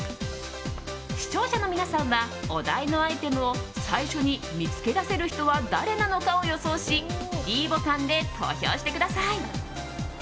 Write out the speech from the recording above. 視聴者の皆さんはお題のアイテムを最初に見つけ出せる人は誰なのかを予想しｄボタンで投票してください。